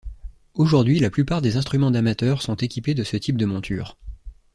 Aujourd'hui, la plupart des instruments d'amateur sont équipés de ce type de monture.